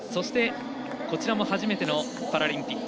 こちらも初めてのパラリンピック。